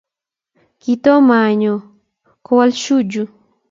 kitomo anyoo, kowolu Shuju